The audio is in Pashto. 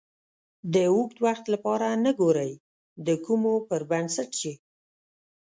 د اوږد وخت لپاره نه ګورئ د کومو پر بنسټ چې